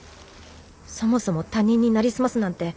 そもそも他人になりすますなんて